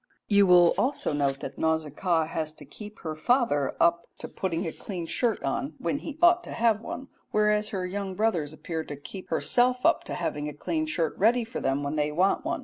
You will also note that Nausicaa has to keep her father up to putting a clean shirt on when he ought to have one, whereas her young brothers appear to keep herself up to having a clean shirt ready for them when they want one.